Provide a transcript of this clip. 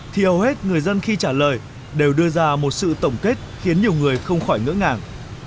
thì hầu hết người dân khi trả lời đều đưa ra một sự tổng kết khiến nhiều người không khỏi ngỡ ngàng